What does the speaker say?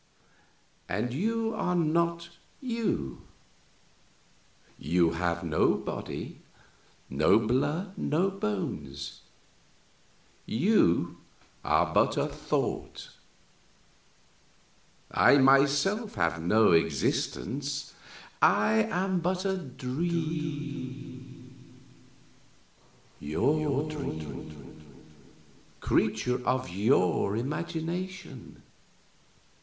_" "I!" "And you are not you you have no body, no blood, no bones, you are but a thought. I myself have no existence; I am but a dream your dream, creature of your imagination.